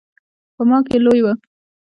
په ما کې لوی و.